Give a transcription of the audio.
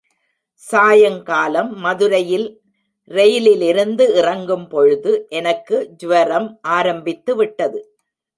சாயங்காலம் மதுரையில் ரெயிலிலிருந்து இறங்கும்பொழுது எனக்கு ஜ்வரம் ஆரம்பித்து விட்டது.